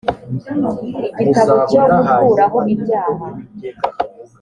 igitambo cyo gukuraho ibyaha